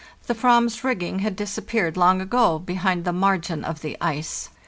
The /vam's rigging had disappeared long ago behind the margin of the ice.